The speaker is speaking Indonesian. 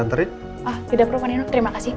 anterin ah tidak perlukan panino terima kasih